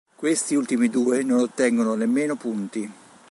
Questi ultimi due non ottengono nemmeno punti.